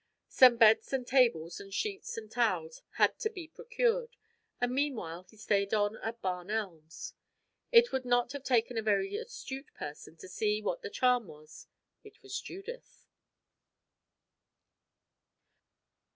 Some beds and tables and sheets and towels had to be procured, and meanwhile he stayed on at Barn Elms. It would not have taken a very astute person to see what the charm was. It was Judith.